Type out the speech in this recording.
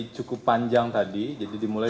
cukup panjang tadi jadi dimulai